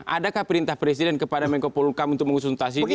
adakah perintah presiden kepada menko polhukam untuk mengusultasi ini